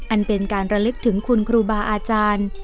อันเป็นการระลึกถึงคุณครูบาอาจารย์